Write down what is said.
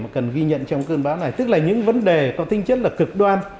mà cần ghi nhận trong cơn bão này tức là những vấn đề có tinh chất là cực đoan